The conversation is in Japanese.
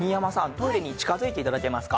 トイレに近づいて頂けますか？